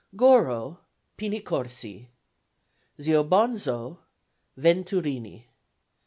Goro PINI CORSI. Zio Bonzo VENTURINI.